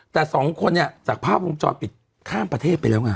แต่๒คนจากภาพภูมิจรปิดข้ามประเทศไปแล้วไง